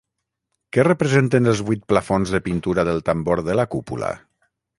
Què representen els vuit plafons de pintura del tambor de la cúpula?